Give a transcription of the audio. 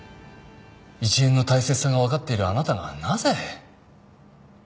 １円の大切さがわかっているあなたがなぜ？